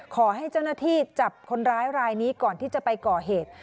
ขอให้เจ้าหน้าที่จับคนร้ายรายนี้ก่อนที่จะไปก่อเหตุ